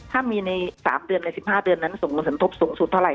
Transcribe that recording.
ถ้ามีใน๓เดือนใน๑๕เดือนนั้นส่งลงสมทบสูงสุดเท่าไห